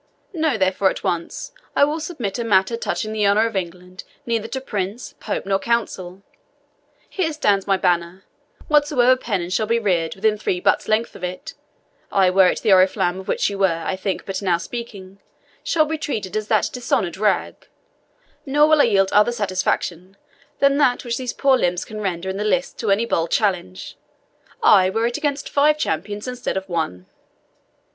Know, therefore, at once, I will submit a matter touching the honour of England neither to Prince, Pope, nor Council. Here stands my banner whatsoever pennon shall be reared within three butts' length of it ay, were it the Oriflamme, of which you were, I think, but now speaking shall be treated as that dishonoured rag; nor will I yield other satisfaction than that which these poor limbs can render in the lists to any bold challenge ay, were it against five champions instead of one."